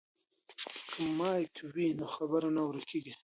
که مایک وي نو خبره نه ورکیږي.